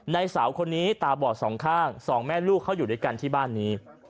สาวคนนี้ตาบอดสองข้างสองแม่ลูกเขาอยู่ด้วยกันที่บ้านนี้